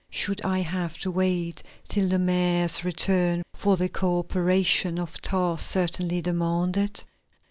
Should I have to wait till the mayor's return for the cooperation my task certainly demanded?